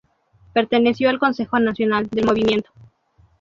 Perteneció al Consejo Nacional del Movimiento.